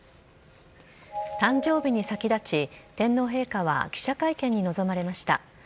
誕生日に先立ち、天皇陛下は記者会見に臨まれました。